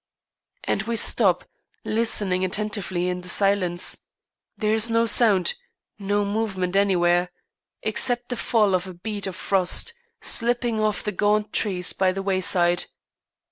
And we stop, listening attentively in the silence. There is no sound, no movement anywhere, except the fall of a bead of frost, slipping off the gaunt trees by the wayside.